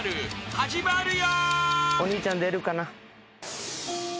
始まるよ］